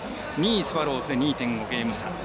２位スワローズで２．５ゲーム差。